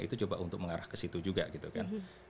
itu coba untuk mengarah ke situ juga gitu kan